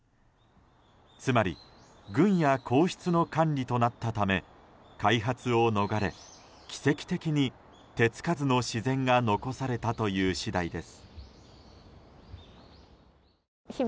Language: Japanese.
つまり軍や皇室の管理となったため開発を逃れ、奇跡的に手つかずの自然が残されたという次第です。